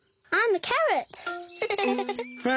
あ。